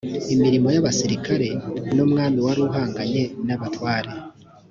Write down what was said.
imirimo y abasirikare n umwami wari uhanganye n abatware